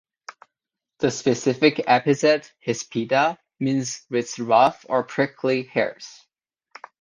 The specific epithet ("hispida") means "with rough or prickly hairs".